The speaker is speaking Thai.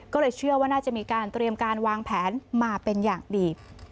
ก็เลยเชื่อว่าน่าจะมีการเตรียมการวางแผนมาเป็นอย่างดี